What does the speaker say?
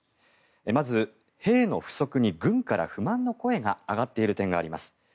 まず、兵の不足に軍から不満の声が上がっている点があります。